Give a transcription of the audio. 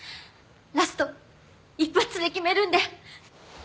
ラスト一発で決めるんで。